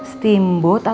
steamboat atau tomiam